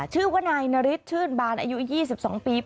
ชื่อว่านายนาริสชื่นบานอายุ๒๒ปี